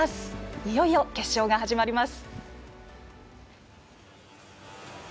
いよいよ決勝が始まります。